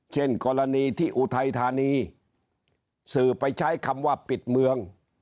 เช่นกรณีที่อุทัยธานีสื่อไปใช้คำว่าปิดเมือง